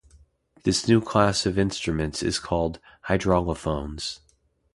This new class of instruments is called hydraulophones.